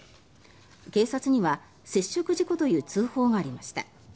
警察には接触事故という情報がありました。